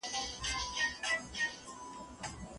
آیا وای فای تر کیبل اسانه دی؟